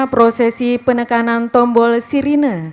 prosesi penekanan tombol sirine